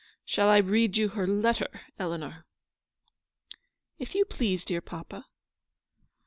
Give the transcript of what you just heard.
Shall I read you her letter, Eleanor ?"" If you please, dear papa."